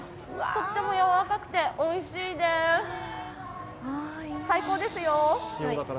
とってもやわらかくておいしいです、最高ですよ。